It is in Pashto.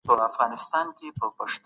ټول خلګ پکې په مطالعه بوخت وو.